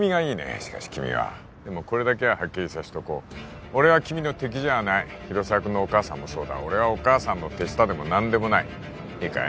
しかし君はでもこれだけははっきりさせとこう俺は君の敵じゃない広沢君のお母さんもそうだ俺はお母さんの手下でも何でもないいいかい？